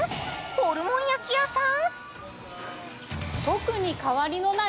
ホルモン焼き屋さん？